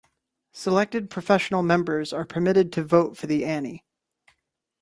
Selected professional members are permitted to vote for the Annie.